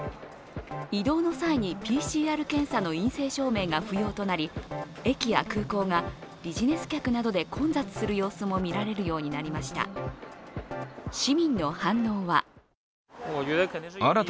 移動の際にＰＣＲ検査の陰性証明が不要となり駅や空港などがビジネス客で混雑する様子も見られるようになりました。